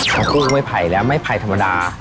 ถ้าคู่กับไม้ไผ่แล้วไม้ไผ่ธรรมดา